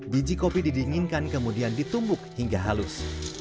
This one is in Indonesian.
biji kopi didinginkan kemudian ditumbuk hingga halus